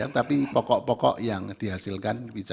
tapi pokok pokok yang dihasilkan bisa